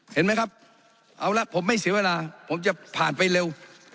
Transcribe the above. เห็นไหมครับเอาละผมไม่เสียเวลาผมจะผ่านไปเร็ว